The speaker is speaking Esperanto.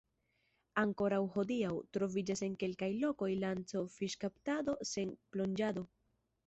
Ankoraŭ hodiaŭ, troviĝas en kelkaj lokoj lanco-fiŝkaptado sen plonĝado.